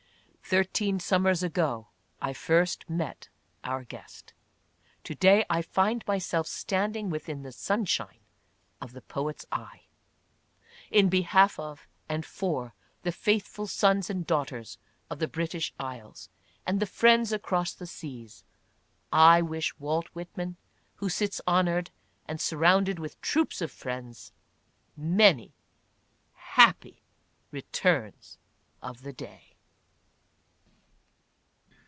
Thirteen summers ago I first met our guest — to day I find my self standing within the sunshine of the poet's eye. In behalf of and for the faithful sons and daughters of the British Isles, and the friends across the seas, I wish Walt Whit man, who sits honored and surrounded with troops of friends, many happy returns of the day.